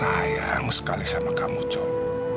aku tidak mau sekali sama kamu jok